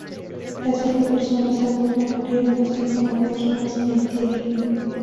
Las cinco personas a bordo murieron, así como dos más en tierra.